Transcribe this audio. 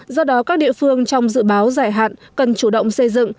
do đó các địa phương trong dự báo dài hạn cần chủ động xây dựng